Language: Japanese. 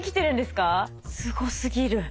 すごすぎる。